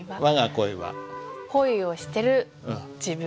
恋をしてる自分。